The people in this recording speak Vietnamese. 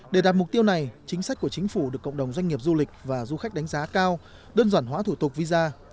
để đạt mục tiêu này chính sách của chính phủ được cộng đồng doanh nghiệp du lịch và du khách đánh giá cao đơn giản hóa thủ tục visa